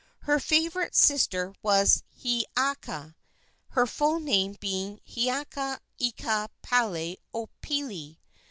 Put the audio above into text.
Her favorite sister was Hiiaka, her full name being Hiiaka ika pali opele.